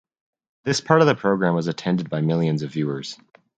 This part of the program was attended by millions of viewers.